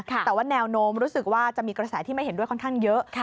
แต่ว่าแนวโน้มรู้สึกว่าจะมีกระแสที่ไม่เห็นด้วยค่อนข้างเยอะ